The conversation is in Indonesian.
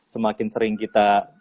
semakin sering kita